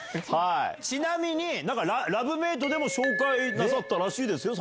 ちなみにラブメイトでも紹介なさったらしいですよ